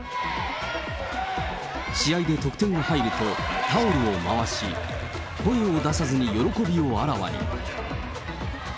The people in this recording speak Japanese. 試合で得点が入ると、タオルを回し、声を出さずに喜びをあらわに。